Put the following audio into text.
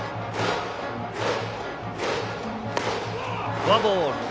フォアボール。